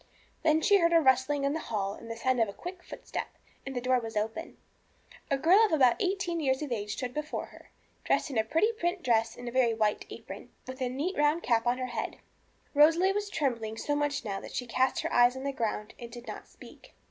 Then she heard a rustling in the hall and the sound of a quick footstep, and the door was opened. A girl about eighteen years of age stood before her, dressed in a pretty print dress and very white apron, with a neat round cap on her head. Rosalie was trembling so much now that she cast her eyes on the ground and did not speak.